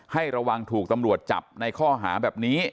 ให้ระวังถูกตำรวจจับในข้อหาแบบนี้